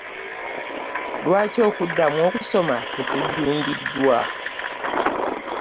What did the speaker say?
Lwaki okuddamu okusoma tekujjumbiddwa?